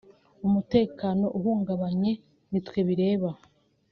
“Umutekano uhungabanye nitwe bireba